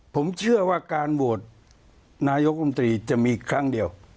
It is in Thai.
ผมเชื่อว่าการโหวตนายกรมตรีจะมีครั้งเดียว